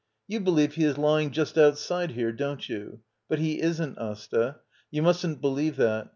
] You believe he is lying just outside here, don't you? But he isn't, Asta. You mustn't believe that.